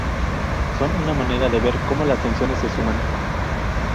Son una manera de "ver" como las tensiones se suman.